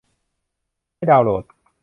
ให้ดาวน์โหลด